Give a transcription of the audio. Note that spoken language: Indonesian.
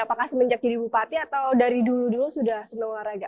apakah semenjak jadi bupati atau dari dulu dulu sudah senang olahraga